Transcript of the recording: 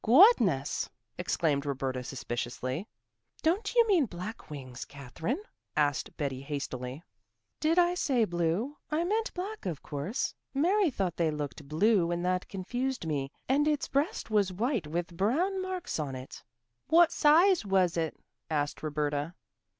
"Goodness!" exclaimed Roberta suspiciously. "Don't you mean black wings, Katherine?" asked Betty hastily. "Did I say blue? I meant black of course. Mary thought they looked blue and that confused me. And its breast was white with brown marks on it." "What size was it?" asked Roberta.